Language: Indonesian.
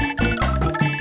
aku jalan dulu